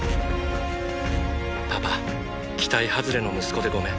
パパ期待はずれの息子でごめん。